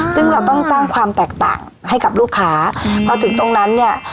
ซึ่งเราต้องสร้างความแตกต่างให้กับลูกค้าพอถึงตรงนั้นเนี่ย